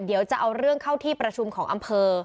เดี๋ยวจะเอาเรื่องเข้าที่ประชุมของอำเภอ